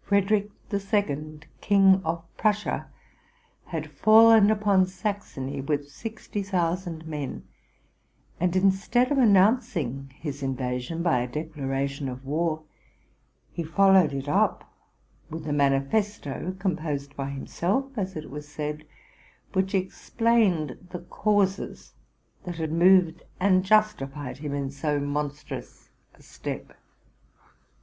Frederick the Second, King of Prussia, had fallen upon Saxony with sixty thousand men ; and, instead of announcing his invasion RELATING TO MY LIFE. 39 by a declaration of war, he followed it up with a manifesto, composed by himself as it was said, which explained the causes that had moved and justified him in so monstrous a step.